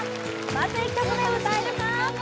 まず１曲目を歌えるか？